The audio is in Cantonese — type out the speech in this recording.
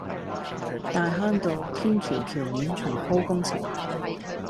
大坑道天橋橋面重鋪工程